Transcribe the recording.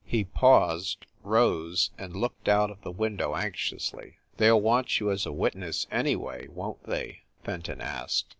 He paused, rose and looked out of the window anxiously. "They ll want you as a witness, anyway, won t they?" Fenton asked.